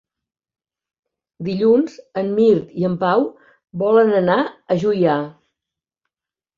Dilluns en Mirt i en Pau volen anar a Juià.